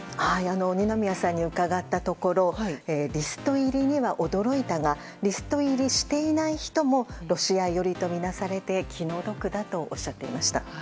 二宮さんに伺ったところリスト入りには驚いたがリスト入りしていない人もロシア寄りとみなされて気の毒だとおっしゃっていました。